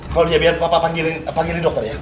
kau bisa biar papa panggilin dokter ya